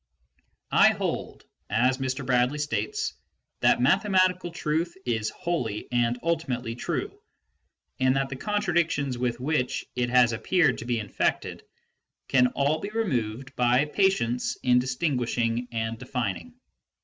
I hold, as Mr. Bradley states, that mathematical truth is wholly and ultimately true, and that the contradictions with which it has appeared to be infected can all be removed by patience in distin guishing and defining.